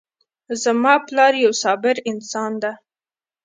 زما پلار یو صابر انسان ده